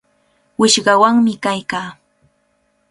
Wishqawanmi kaykaa.